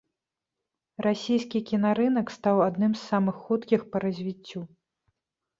Расійскі кінарынак стаў адным з самых хуткіх па развіццю.